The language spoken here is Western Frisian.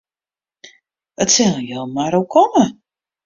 It sil jin mar oerkomme.